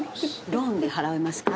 ローンで払いますか？